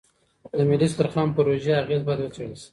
د ملي دسترخوان پروژې اغېز باید وڅېړل شي.